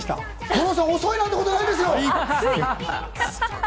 五郎さん、遅いなんてことはないですよ！